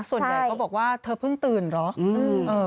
ส่วนใหญ่ก็บอกว่าเธอเพิ่งตื่นเหรอ